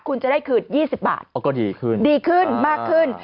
คุณจะได้คืนยี่สิบบาทอ๋อก็ดีขึ้นดีขึ้นมากขึ้น